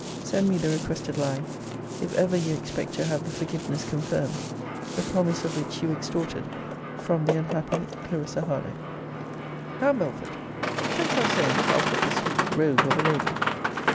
Send me the requested line, if ever you expect to have the forgiveness confirmed, the promise of which you extorted from The unhappy CL. H. Now, Belford, what canst thou say in behalf of this sweet rogue of a lady?